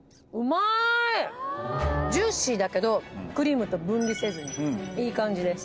ジューシーだけどクリームと分離せずにいい感じです